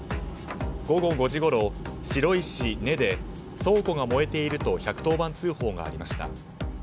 午後５時ごろ、白井市根で倉庫が燃えていると１１０番通報がありました。